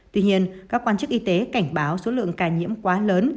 tuy nhiên các quan chức y tế cảnh báo số lượng ca nhiễm quá lớn